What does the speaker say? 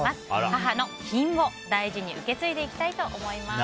母の品を大事に受け継いでいきたいと思います。